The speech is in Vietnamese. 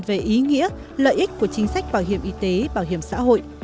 về ý nghĩa lợi ích của chính sách bảo hiểm y tế bảo hiểm xã hội